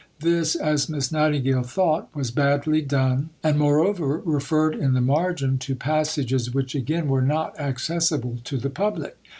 This, as Miss Nightingale thought, was badly done, and, moreover, referred in the margin to passages which again were not accessible to the public.